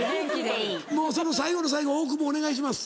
もうその最後の最後大久保お願いします。